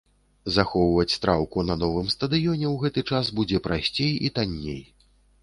Захоўваць траўку на новым стадыёне ў гэты час будзе прасцей і танней.